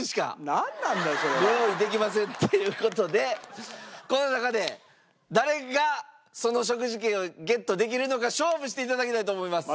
なんなんだよそれは！ご用意できませんという事でこの中で誰がその食事権をゲットできるのか勝負して頂きたいと思います！